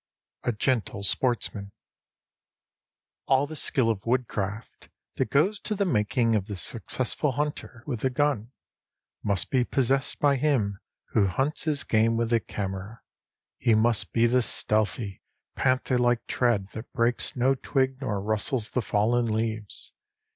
XX A GENTLE SPORTSMAN All the skill of woodcraft that goes to the making of the successful hunter with the gun, must be possessed by him who hunts his game with the camera. His must be the stealthy, panther like tread that breaks no twig nor rustles the fallen leaves.